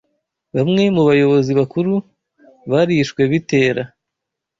bamwe mu bayobozi bakuru barishwe bitera